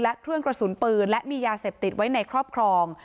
และเครื่องกระสุนปืนและมียาเสพติดไว้ในครอบครอง